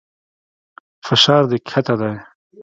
فشار دې کښته دى.